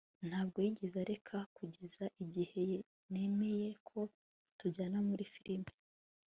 ntabwo yigeze areka kugeza igihe nemeye ko tujyana muri firime